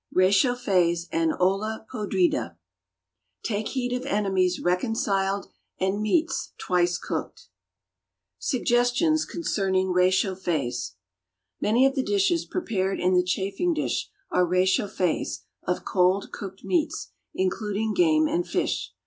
RÉCHAUFFÉS AND OLLA PODRIDA "Take heed of enemies reconciled and meats twice cooked." =Suggestions Concerning Réchauffés.= Many of the dishes prepared in the chafing dish are réchauffés of cold cooked meats, including game and fish.